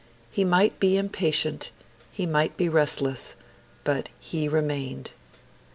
He might be impatient, he might be restless, but he remained.